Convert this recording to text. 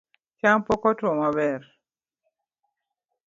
Cham pok otuo maber